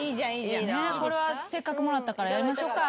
せっかくもらったからやりましょうか。